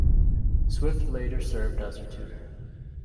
Swift later served as her tutor.